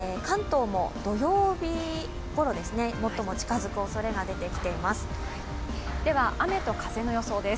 その後も、東に進み続け関東も土曜日ごろ、最も近づくおそれが出てきています。